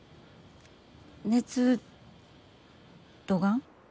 熱どがん？